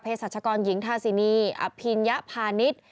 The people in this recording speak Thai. เพศรัชกรหญิงทาซินีอัพินยะพานิต